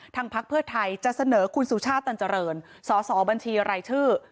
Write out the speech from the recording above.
ทางพักเพื่อไทยจะเสนอคุณสุชาติตัญจริงสบชอะไรชื่อ